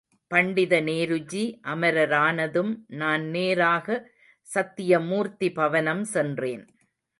பண்டிதநேருஜி அமரரானதும் நான் நேராக சத்யமூர்த்தி பவனம் சென்றேன்.